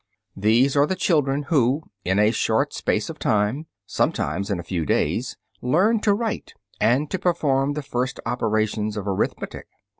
These are the children who, in a short space of time, sometimes in a few days, learn to write and to perform the first operations of arithmetic.